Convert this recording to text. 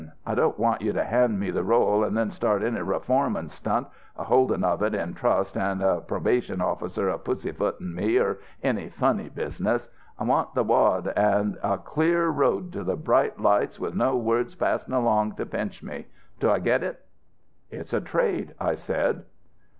I don't want you to hand me the roll an' then start any reformin' stunt a holdin' of it in trust an' a probation officer a pussy footin' me, or any funny business. I want the wad an' a clear road to the bright lights with no word passed along to pinch me. Do I git it?' "'It's a trade!" I said.